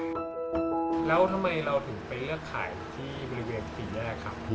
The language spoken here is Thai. แล้วทำไมเราถึงไปเลือกขายที่บริเวณสี่แยกครับ